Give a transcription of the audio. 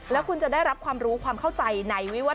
แล้วคุณจะได้รับความรู้ความเข้าใจในวิวัต